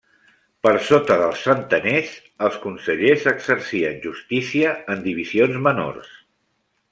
Per sota dels centeners els consellers exercien justícia en divisions menors.